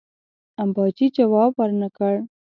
امباجي جواب ورنه کړ.